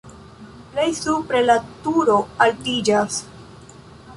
Plej supre la turo altiĝas.